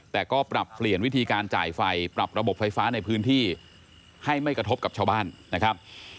แต่ก็ปรับเปลี่ยนวิธีการจ่ายไฟปรับระบบไฟฟ้าในพื้นที่ให้ไม่กระทบกับชาวบ้านนะครับ